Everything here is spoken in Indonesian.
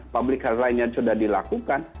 public health lainnya sudah dilakukan